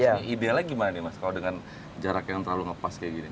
ini idealnya gimana nih mas kalau dengan jarak yang terlalu ngepas kayak gini